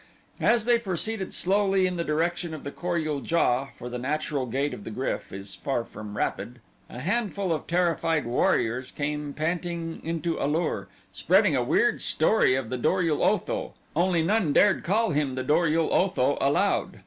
As they proceeded slowly in the direction of the Kor ul JA, for the natural gait of the GRYF is far from rapid, a handful of terrified warriors came panting into A lur, spreading a weird story of the Dor ul Otho, only none dared call him the Dor ul Otho aloud.